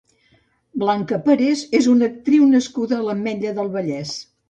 Blanca Parés és una actriu nascuda a l'Ametlla del Vallès.